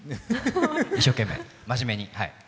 一生懸命、真面目に。